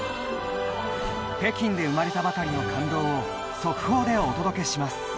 北京で生まれたばかりの感動を速報でお届けします。